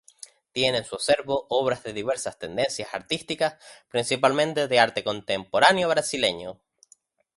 Tiene en su acervo obras de diversas tendencias artísticas, principalmente de arte contemporáneo brasileño.